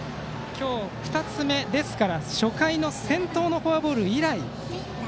今日、２つ目ですから初回の先頭のフォアボール以来。